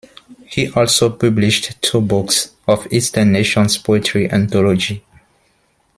He also published two books of eastern nations poetry anthology.